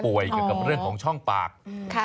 เกี่ยวกับเรื่องของช่องปาก